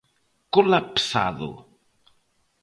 Colapsado.